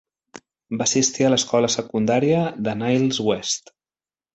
Va assistir a l'escola secundària de Niles West.